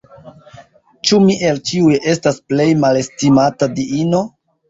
Ĉu mi el ĉiuj estas plej malestimata diino?